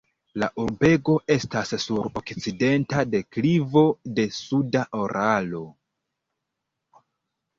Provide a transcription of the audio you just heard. La urbo estas sur okcidenta deklivo de suda Uralo.